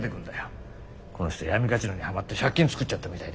この人闇カジノにハマって借金つくっちゃったみたいでさ。